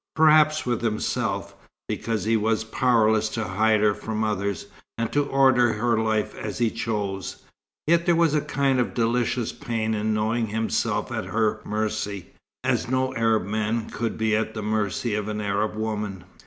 Perhaps with himself, because he was powerless to hide her from others, and to order her life as he chose. Yet there was a kind of delicious pain in knowing himself at her mercy, as no Arab man could be at the mercy of an Arab woman.